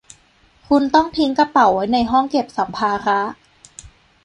คุณต้องทิ้งกระเป๋าไว้ในห้องเก็บสัมภาระ